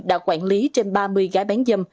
đã quản lý trên ba mươi gái bán dâm